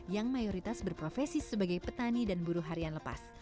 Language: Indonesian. yang mayoritas berprofesi sebagai petani dan buruh harian lepas